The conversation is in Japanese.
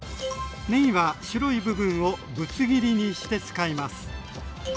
ねぎは白い部分をぶつ切りにして使います。